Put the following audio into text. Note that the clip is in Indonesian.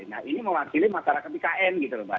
nah ini mewakili masyarakat bkn gitu mbak